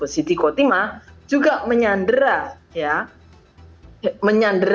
siti kotima juga menyandera